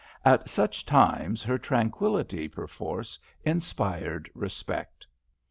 At such times her tranquillity perforce inspired respect.